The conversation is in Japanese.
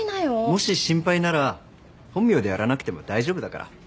もし心配なら本名でやらなくても大丈夫だから。